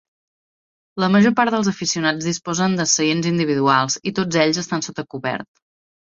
La major part dels aficionats disposen de seients individuals i tots ells estan sota cobert.